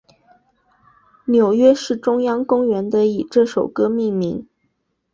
纽约市中央公园的以这首歌命名。